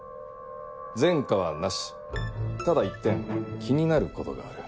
前科はなしただ一点気になることがある。